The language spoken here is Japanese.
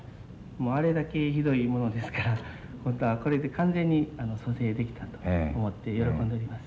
もうあれだけひどいものですからまたこれで完全に蘇生できたと思って喜んでおります。